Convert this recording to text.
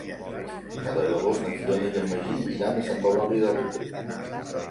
El deu d'agost na Fiona i en Magí iran a Santa Eulàlia de Riuprimer.